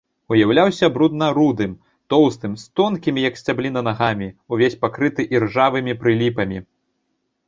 Уяўляўся брудна-рудым, тоўстым, з тонкімі, як сцябліна, нагамі, увесь пакрыты іржавымі прыліпамі.